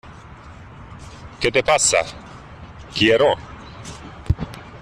¿ Qué te pasa? Quiero...